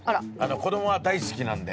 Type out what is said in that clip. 子供は大好きなんで。